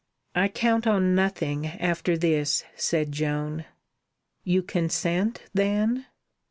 "I count on nothing after this," said Joan. "You consent, then?"